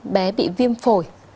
bé bị viêm phổi